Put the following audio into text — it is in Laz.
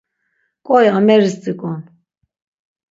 Ǩoi ameris rt̆iǩon.